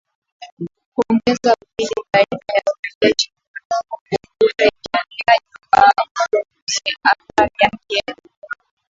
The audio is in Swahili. kuongeza vipindi baina ya urejeleaji na upunguzaji athari yake